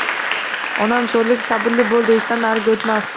Onam sho`rlik Sabrli bo`l, deyishdan nariga o`tmasdi